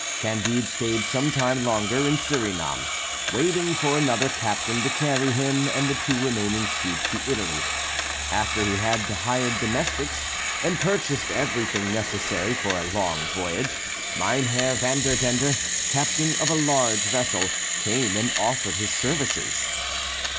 Candide stayed some time longer in Surinam, waiting for another captain to carry him and the two remaining sheep to Italy. After he had hired domestics, and purchased everything necessary for a long voyage, Mynheer Vanderdendur, captain of a large vessel, came and offered his services.